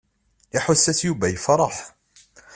Iḥuss-as Yuba yefṛeḥ.